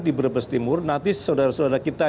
di brebes timur nanti saudara saudara kita